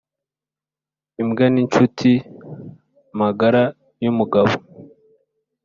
imbwa ninshuti magara yumugabo